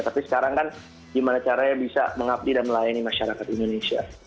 tapi sekarang kan gimana caranya bisa mengabdi dan melayani masyarakat indonesia